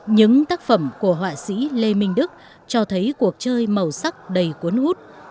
những tác phẩm của họa sĩ lê minh đức cho thấy cuộc chơi màu sắc đầy cuốn út